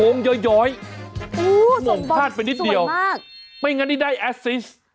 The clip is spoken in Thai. โอ้ยส่งบอลสวยมากมองพลาดไปนิดเดียวไม่งั้นนี่ได้อาซิส